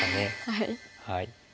はい。